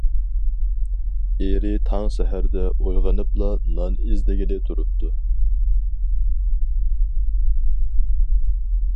ئېرى تاڭ سەھەردە ئويغىنىپلا نان ئىزدىگىلى تۇرۇپتۇ.